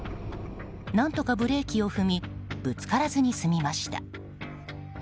何とかブレーキを踏みぶつからずに済みました。